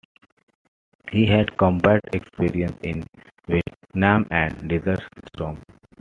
He had combat experience in Vietnam and Desert Storm.